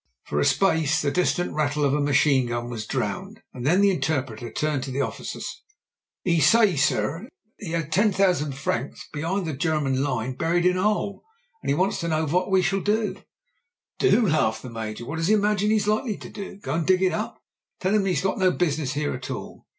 For a space the distant rattle of a machine gun was drowned, and then the interpreter turned to the officers. " 'E say, sare, that 'e has ten thousand franc behind the German line, buried in a 'ole, and 'e wants to know vat 'e shall do." "Do," laughed the Major. "What does he imagine he's likely to do? Go and dig it up? Tell him that he's got no business here at all."